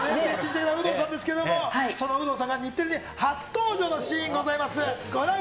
そんな有働さんですけれども、その有働さんが日テレで初登場のシーンございます。